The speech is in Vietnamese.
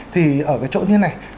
thì ở cái chỗ như thế này